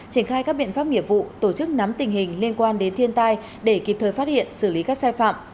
triển khai các biện pháp nghiệp vụ tổ chức nắm tình hình liên quan đến thiên tai để kịp thời phát hiện xử lý các sai phạm